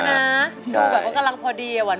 ดูแบบว่ากำลังพอดีหวาน